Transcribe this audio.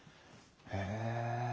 へえ。